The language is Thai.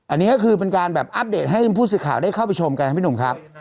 อันนี้ก็คือเป็นการแบบอัปเดตให้ผู้สื่อข่าวได้เข้าไปชมกันครับพี่หนุ่มครับ